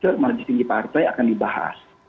ter magistri dipartai akan dibahas